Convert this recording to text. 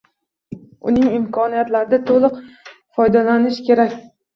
Uning imkoniyatidan to‘laroq foydalanish kerak.